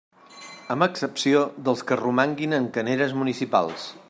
Amb excepció dels que romanguin en caneres municipals.